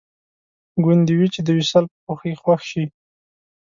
ګوندې وي چې د وصال په خوښۍ خوښ شي